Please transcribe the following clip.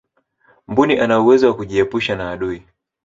mbuni ana uwezo wa kujiepusha na adui